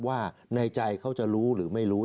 ว่าในใจเขาจะรู้หรือไม่รู้